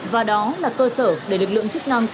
và đó là cơ sở để lực lượng chức năng